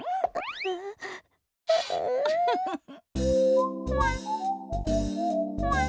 ウフフフ。